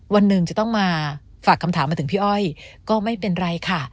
วันหนึ่งจะต้องมาฝากคำถามมาถึงพี่อ้อยก็ไม่เป็นไรค่ะ